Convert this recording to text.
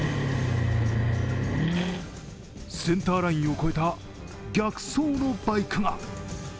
センターラインを越えた逆走のバイクが。